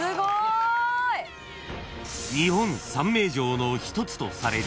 ［日本三名城の一つとされる］